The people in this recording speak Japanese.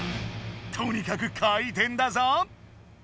とにかく回転だぞ！